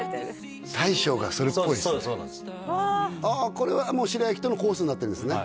これはもう白焼きとのコースになってるんですね